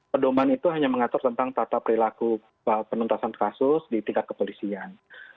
pedoman itu hanya mengatur tentang tata perilaku penuntasan kasus di tingkat kepolisian